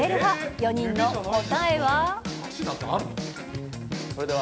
４人の答えは？